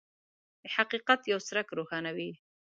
د حقیقت یو څرک روښانوي.